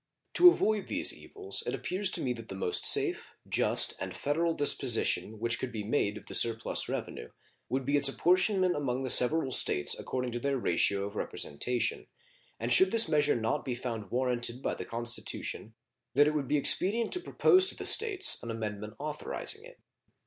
To avoid these evils it appears to me that the most safe, just, and federal disposition which could be made of the surplus revenue would be its apportionment among the several States according to their ratio of representation, and should this measure not be found warranted by the Constitution that it would be expedient to propose to the States an amendment authorizing it.